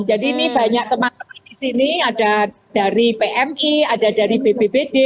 jadi ini banyak teman teman di sini ada dari pmi ada dari bbbd